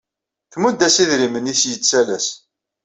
Tmudd-as idrimen i s-yettalas.